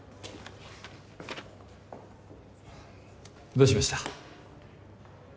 どうしました？